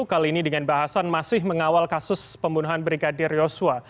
kali ini dengan bahasan masih mengawal kasus pembunuhan brigadir yosua